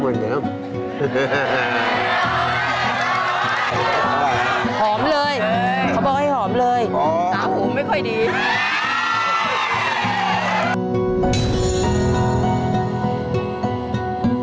หอมเลยเขาบอกให้หอมเลย